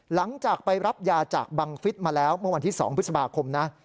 หลังจากไปรับยาจากบังฟิศมาแล้วเมื่อวันที่๒พฤษภาคมนะ